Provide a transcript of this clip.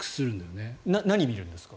何見るんですか？